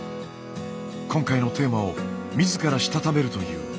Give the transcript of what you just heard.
今回のテーマをみずからしたためるという。